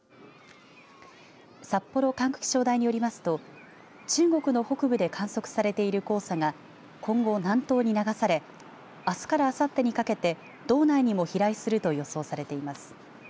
札幌管区気象台によりますと中国の北部で観測されている黄砂が今後、南東に流されあすからあさってにかけて道内にも飛来すると予想されています。